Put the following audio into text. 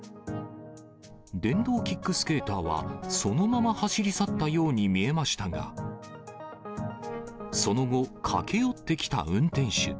電動キックスケーターはそのまま走り去ったように見えましたが、その後、駆け寄ってきた運転手。